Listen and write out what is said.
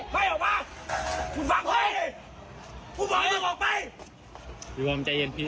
พี่ค่อยทำความใจเย็นพี่